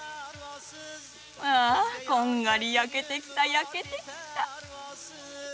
ああこんがり焼けてきた焼けてきた。